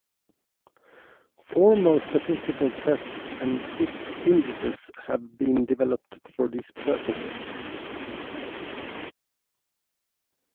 Formal statistical tests and fit indices have been developed for these purposes.